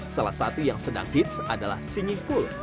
salah satu yang sedang hits adalah singing pul